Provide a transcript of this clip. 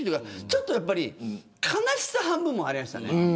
ちょっと悲しさ半分もありましたね。